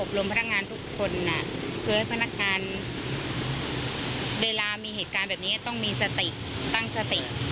และเขาได้อบรมพนักงานทุกคนน่ะช่วยให้พนักงานเวลามีเหตุการณ์แปบนี้ต้องมีตั้งสติ